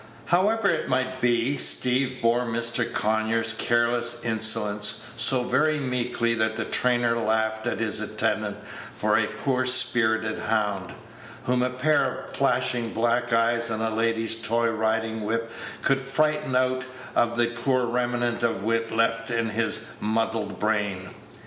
However it might be, Steeve bore Mr. Conyers' careless insolence so very meekly that the trainer laughed at his attendant for a poor spirited hound, whom a pair of flashing black eyes and a lady's toy riding whip could frighten out of the poor remnant of wit left in his muddled brain.